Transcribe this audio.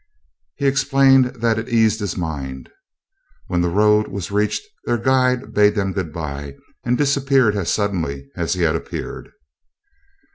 He explained that it eased his mind. When the road was reached their guide bade them good bye, and disappeared as suddenly as he had appeared.